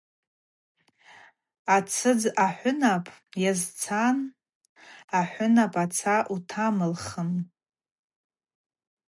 Ацӏыдз ахӏвынап йазцан – Ахӏвынап, аца утамылхын.